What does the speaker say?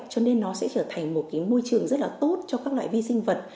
trở thành một môi trường rất là tốt cho các loại vi sinh vật